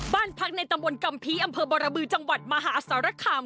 บ้านพักในตำบลกำพีอำเภอบรบือจังหวัดมหาสารคาม